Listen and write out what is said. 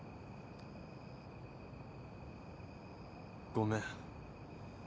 ごめん。